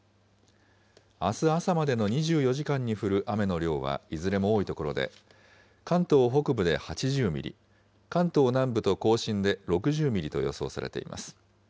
あす朝までの２４時間に降る雨の量はいずれも多い所で、関東北部で８０ミリ、関東南部と甲信で６０ミリと予想されています。